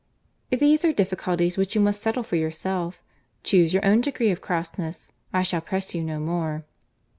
"These are difficulties which you must settle for yourself. Chuse your own degree of crossness. I shall press you no more."